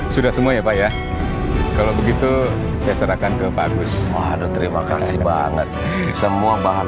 sudah semua ya pak ya kalau begitu saya serahkan ke pak agus waduh terima kasih banget semua bahan